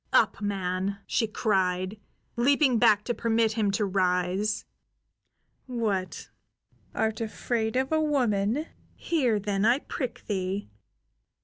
"Up, man!" she cried, leaping back to permit him to rise. "What, art afraid of a woman? Here, then, I prick thee!